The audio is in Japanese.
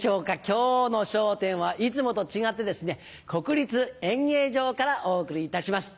今日の『笑点』はいつもと違って国立演芸場からお送りいたします。